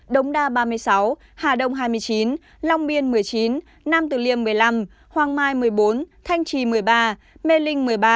đống đa ba mươi sáu hà đông hai mươi chín long biên một mươi chín nam từ liêm một mươi năm hoàng mai một mươi bốn thanh trì một mươi ba mê linh một mươi ba